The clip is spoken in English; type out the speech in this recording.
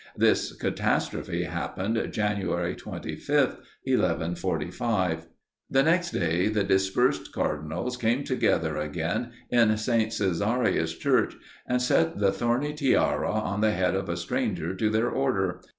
This catastrophe happened January 25th, 1145. The next day the dispersed cardinals came together again in St. Caesarius' church, and set the thorny tiara on the head of a stranger to their order.